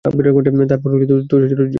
তারপর তুষারঝড়ে সব এসে পড়েছে।